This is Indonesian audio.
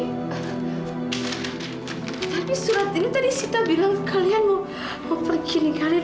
tapi surat ini tadi sita bilang kalian mau pergi kalian